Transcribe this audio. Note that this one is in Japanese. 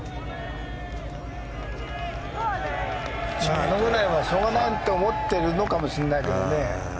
あのくらいはしょうがないと思っているのかもしれないけどね。